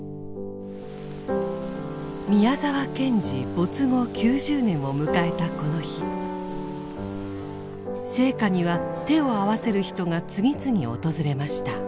宮沢賢治没後９０年を迎えたこの日生家には手を合わせる人が次々訪れました。